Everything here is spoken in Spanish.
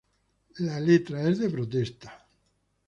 La letra es de protesta.